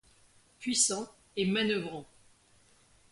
Puissant et manoeuvrant.